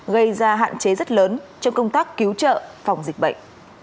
gây ra hạn chế rất lớn trong công tác cứu trợ phòng dịch bệnh